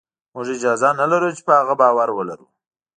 موږ اجازه نه لرو چې په هغه باور ولرو